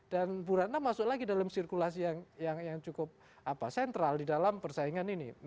dan bu ratna masuk lagi dalam sirkulasi yang cukup apa sentral di dalam persaingan ini